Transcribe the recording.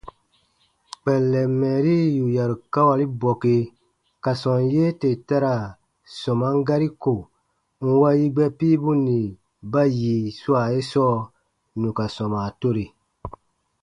Kpɛllɛn mɛɛri yù yarukawali bɔke ka sɔm yee tè ta ra sɔman gari ko, nwa yigbɛ piibu nì ba yi swa ye sɔɔ nù ka sɔma tore.